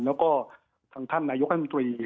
แล้วก็ท่านนายกลุ่มด้านตรี